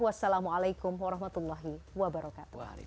wassalamualaikum warahmatullahi wabarakatuh